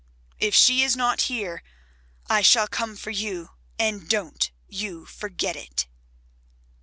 "If she is not here, I shall come for you, and don't you forget it."